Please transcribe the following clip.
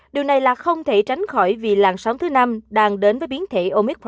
điều này là không thể tránh khỏi vì làn sóng thứ năm đang đến với biến thể omic